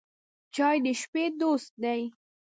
چای د شپې دوست دی.